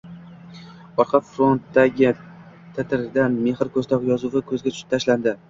Orqa fondagi titrda “Mexr ko‘zda” yozuvi ko‘zga tashlanadi.